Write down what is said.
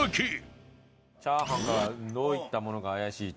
チャーハンからどういったものが怪しいと。